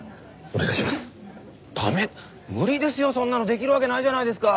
できるわけないじゃないですか。